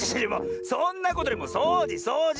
そんなことよりもそうじそうじ！